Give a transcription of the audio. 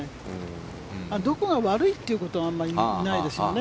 どこが悪いということはあまりないですよね。